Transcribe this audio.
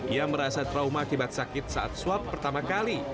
ia merasa trauma akibat sakit saat swab pertama kali